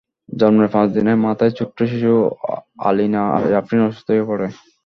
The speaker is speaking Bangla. জন্মের পাঁচ দিনের মাথায় ছোট্ট শিশু আলিনা জাফরিন অসুস্থ হয়ে পড়ে।